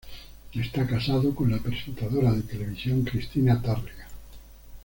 Está casado con la presentadora de televisión Cristina Tárrega.